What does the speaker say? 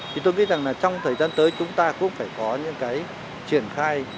thì tôi nghĩ rằng là trong thời gian tới chúng ta cũng phải có những cái triển khai